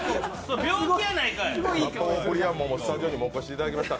シャトーブリアン桃、スタジオにもお越しいただきました。